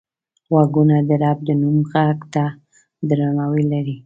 غوږونه د رب د نوم غږ ته درناوی لري